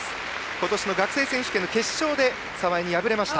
今年の学生選手権の決勝で澤江に敗れました。